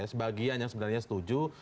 sebagian yang sebenarnya setuju